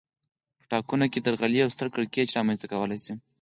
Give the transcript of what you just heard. په ټاکنو کې درغلي یو ستر کړکېچ رامنځته کولای شي